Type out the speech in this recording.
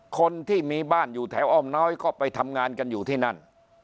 คนที่มีบ้านอยู่แถวอ้อมน้อยก็ไปทำงานกันอยู่ที่นั่น